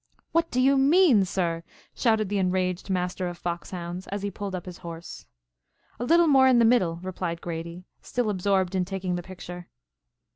"What do you mean, sir!" shouted the enraged Master of Fox hounds, as he pulled up his horse. "A little more in the middle," replied Grady, still absorbed in taking the picture.